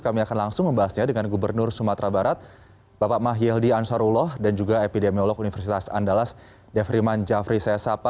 kami akan langsung membahasnya dengan gubernur sumatera barat bapak mahyildi ansarullah dan juga epidemiolog universitas andalas defriman jafri sesapa